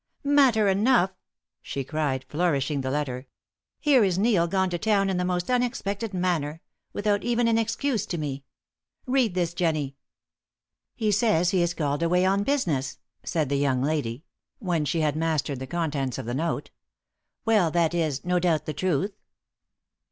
"Matter enough!" she cried, flourishing the letter. "Here is Neil gone to town in the most unexpected manner without even an excuse to me! Read this, Jennie." "He says he is called away on business," said that young lady, when she had mastered the contents of the note. "Well, that is, no doubt, the truth!"